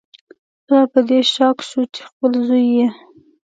پلار په دې شاک شو چې خپل زوی یې